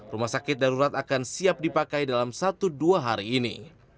rumah sakit darurat akan siap dipakai dalam satu dua hari ini